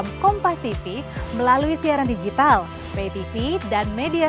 masih cukup tinggi maksudnya